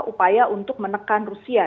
upaya untuk menekan rusia